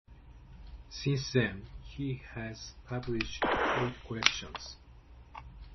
Since then he has published eight collections.